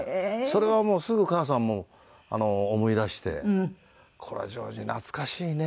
それはもうすぐ母さんも思い出して「これ譲二懐かしいね」